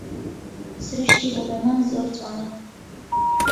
سرووشتی هەورامان زۆر جوانە